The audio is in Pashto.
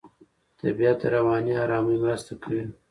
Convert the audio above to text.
طبیعت د رواني آرامۍ مرسته کوي.